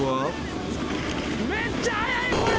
めっちゃ速いこれ。